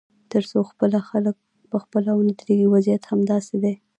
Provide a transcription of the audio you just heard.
تر څو خلک پخپله ونه درېږي، وضعیت همداسې دی.